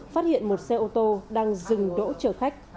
phát hiện một xe ô tô đang dừng đỗ chở khách